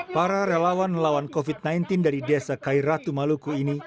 para relawan relawan covid sembilan belas dari desa kairatu maluku ini